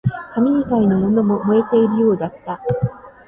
紙以外のものも燃えているようだった